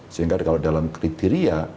sehingga kalau dalam kriteria